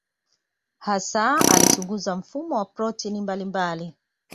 Hasa alichunguza mfumo wa protini mbalimbali.